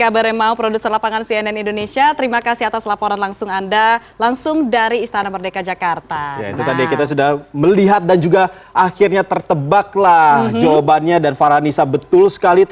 betul betul sekali